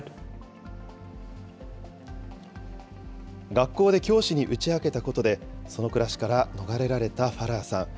学校で教師に打ち明けたことで、その暮らしから逃れられたファラーさん。